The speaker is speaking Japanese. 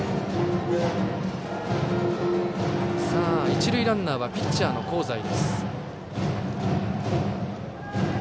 一塁ランナーはピッチャーの香西。